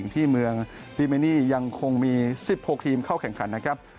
ที่เมืองลิเมนี่ยังคงมี๑๖ทีมเข้าแข่งขันนะครับ